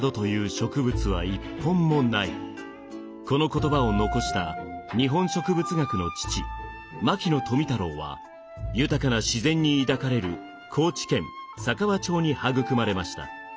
この言葉を残した日本植物学の父牧野富太郎は豊かな自然に抱かれる高知県佐川町に育まれました。